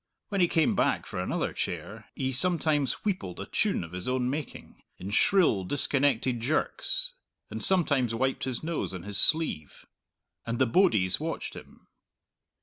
When he came back for another chair, he sometimes wheepled a tune of his own making, in shrill, disconnected jerks, and sometimes wiped his nose on his sleeve. And the bodies watched him.